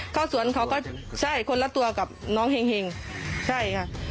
ข้าวสวนเขาก็ใช่คนละตัวกับน้องเห็งใช่ค่ะ